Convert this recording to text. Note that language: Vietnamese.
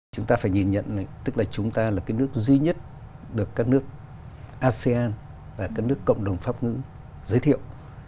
chúng ta phải nhìn nhận tức là chúng ta là cái nước duy nhất được các nước asean và các nước cộng đồng pháp ngữ giới thiệu